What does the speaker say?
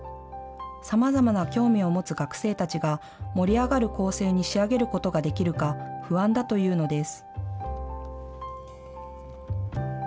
さまざまな興味を持つ学生たちが盛り上がる構成に仕上げることができるか不安だというのです。